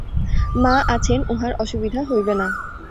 মা আছেন, উঁহার অসুবিধা হইবে না।